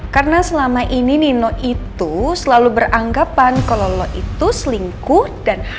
karena selama ini nino itu selalu beranggapan kalau lo itu selingkuh dan asli